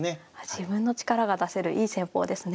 自分の力が出せるいい戦法ですね。